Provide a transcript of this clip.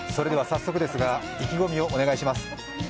早速ですが意気込みをお願いします。